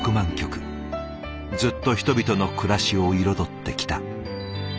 ずっと人々の暮らしを彩ってきた。